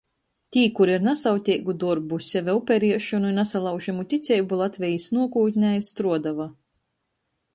Tī, kuri ar nasavteigu dorbu, seve uperiešonu i nasalaužamu ticeibu Latvejis nuokūtnei struoduoja